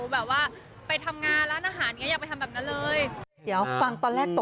แบบว่าไปทำงานร้านอาหารอยากไปทำแบบนั้นเลย